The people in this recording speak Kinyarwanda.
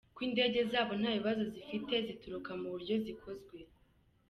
ko indege zabo nta bibazo zifite zituruka mu buryo zikozwe.